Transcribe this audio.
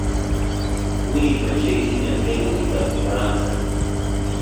Wiiy ochei sintegei kutitab kifaransa